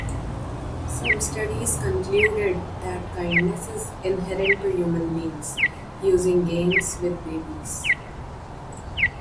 Some studies concluded that kindness is inherent to human beings, using games with babies.